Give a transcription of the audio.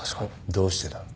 どうしてだ？